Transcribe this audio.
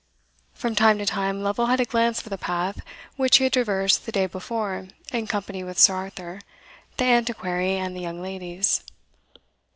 From time to time Lovel had a glance of the path which he had traversed the day before in company with Sir Arthur, the Antiquary, and the young ladies.